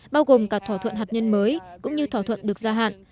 bao gồm cả thỏa thuận hạt nhân mới cũng như thỏa thuận được gia hạn